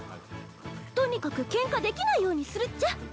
とにかくケンカできないようにするっちゃ。